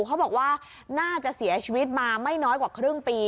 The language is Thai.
เขาบอกว่าน่าจะเสียชีวิตมาไม่น้อยกว่าครึ่งปี